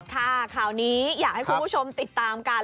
ข่าวนี้อยากให้คุณผู้ชมติดตามกัน